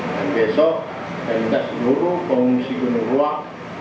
dan besok kami minta seluruh pengungsi gunung ruang